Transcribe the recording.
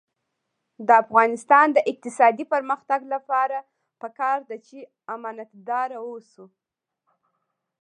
د افغانستان د اقتصادي پرمختګ لپاره پکار ده چې امانتدار اوسو.